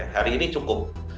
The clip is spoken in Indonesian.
hari ini cukup